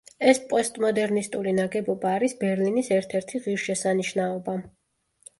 ეს პოსტმოდერნისტული ნაგებობა არის ბერლინის ერთ-ერთი ღირსშესანიშნაობა.